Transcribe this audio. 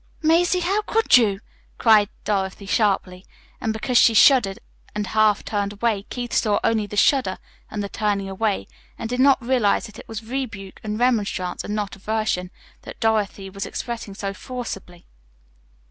"Mazie, how could you!" cried Dorothy sharply. And because she shuddered and half turned away, Keith saw only the shudder and the turning away, and did not realize that it was rebuke and remonstrance, and not aversion, that Dorothy was expressing so forcibly.